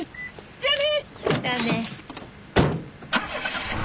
じゃあね。